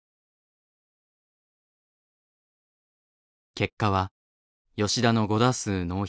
結果は吉田の５打数ノーヒット。